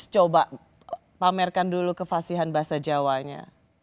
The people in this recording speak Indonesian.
coba pamerkan dulu kevasihan bahasa jawanya